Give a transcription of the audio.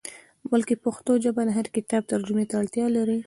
بلکې پښتو ژبه د هر کتاب ترجمې ته اړتیا لري.